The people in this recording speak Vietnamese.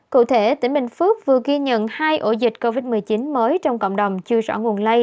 cụ thể tỉnh bình phước vừa ghi nhận hai ổ dịch covid một mươi chín mới trong cộng đồng chưa rõ nguồn lây